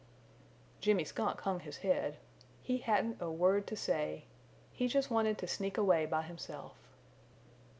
Jimmy Skunk hung his head. He hadn't a word to say. He just wanted to sneak away by himself.